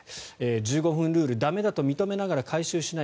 １５分ルール駄目だといっているのに回収しない